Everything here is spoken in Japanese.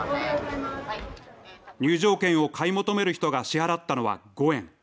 入場券を買い求める人が支払ったのは５円。